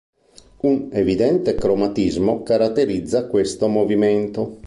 Un evidente cromatismo caratterizza questo movimento.